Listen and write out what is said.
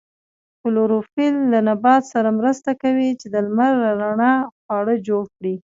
کلوروفیل له نبات سره مرسته کوي چې د لمر له رڼا خواړه جوړ کړي